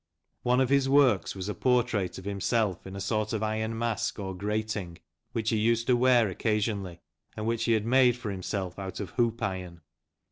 One of his works was a portrait of himself in a sort of iron mask or grating, which he used to wear occasionally, and which he had made for himself out of hoop iron.